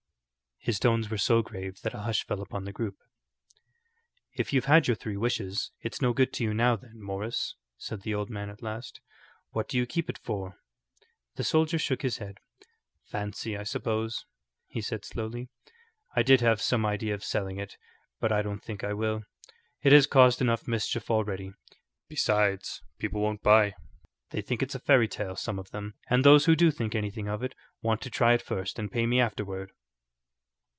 His tones were so grave that a hush fell upon the group. "If you've had your three wishes, it's no good to you now, then, Morris," said the old man at last. "What do you keep it for?" The soldier shook his head. "Fancy, I suppose," he said, slowly. "I did have some idea of selling it, but I don't think I will. It has caused enough mischief already. Besides, people won't buy. They think it's a fairy tale; some of them, and those who do think anything of it want to try it first and pay me afterward."